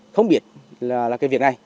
không biết là cái việc này